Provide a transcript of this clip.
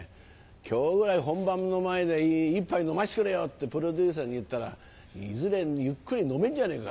「今日ぐらい本番の前で一杯飲ませてくれよ！」ってプロデューサーに言ったら「いずれゆっくり飲めんじゃねえか。